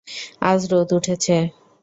আজ রোদ উঠেছে।